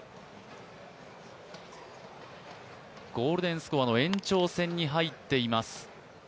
ゴールデンスコアの延長戦に入っています。